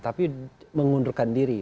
tapi mengundurkan diri